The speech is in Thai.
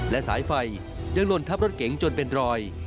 และสายไฟยังหล่นทับรถเก๋งจนเป็นรอย